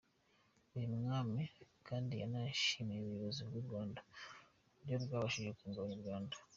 Uyu mwami kandi yanashimiye ubuyobozi bw’u Rwanda uburyo rwabashije kunga Abanyarwanda.